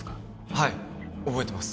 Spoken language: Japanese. はい覚えてます